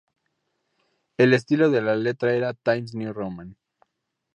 El estilo de la letra era Times New Roman.